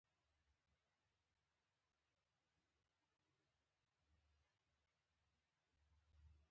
لمریز ځواک د ټولو افغانانو ژوند په بېلابېلو بڼو باندې پوره اغېزمنوي.